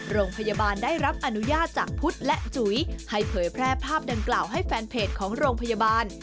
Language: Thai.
โรงพยาบาลได้รับอนุญาตจากพุทธและจุ๋ยให้เผยแพร่ภาพดังกล่าวให้แฟนเพจของโรงพยาบาล